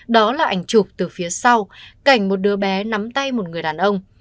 đó là ảnh chụp từ phía sau cảnh một đứa bé nắm tay một người đàn ông